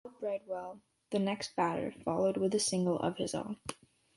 Al Bridwell, the next batter, followed with a single of his own.